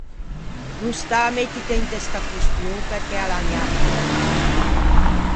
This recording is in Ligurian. No stâ à mettite inte sta costion, perché a l’anià à finî mâ.